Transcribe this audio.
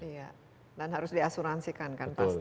iya dan harus diasuransikan kan pasti